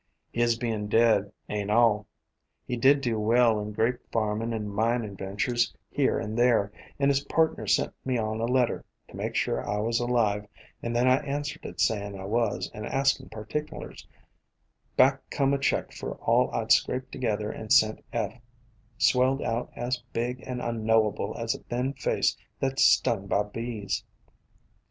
"His bein' dead ain't all. He did do well in grape farmin' and minin' ventures here and there, and his partner sent me on a letter, to make sure I was alive; and when I answered it sayin' I was, and askin' particulars, back come a check for all I 'd scraped together and sent Eph, swelled out as big and unknowable as a thin face that 's stung by bees.